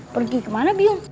pergi kemana biong